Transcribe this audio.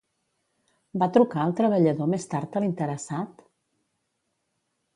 Va trucar el treballador més tard a l'interessat?